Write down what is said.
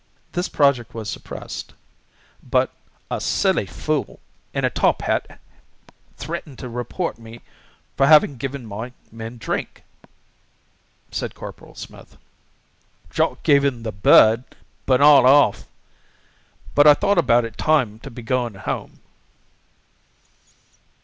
This project was suppressed, but "a silly fool in a top hat threatened to report me for having given my men drink," said Corporal Smith. "Jock gave him the bird, not 'arf. But I thought it about time to be going home."